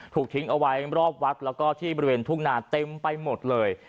ถูกทิ้งเอาไว้รอบวัดแล้วก็ที่บริเวณทุ่งนาเต็มไปหมดเลย